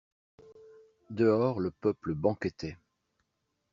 Dehors, le peuple banquetait.